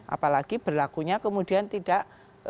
apalagi berlakunya kemudian tidak